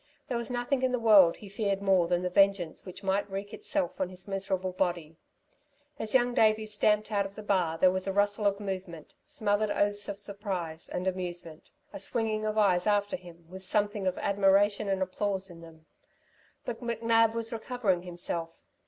There was nothing in the world he feared more than the vengeance which might wreak itself on his miserable body. As Young Davey stamped out of the bar there was a rustle of movement, smothered oaths of surprise and amusement, a swinging of eyes after him with something of admiration and applause in them; but McNab was recovering himself.